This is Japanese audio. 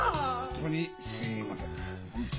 本当にすみません。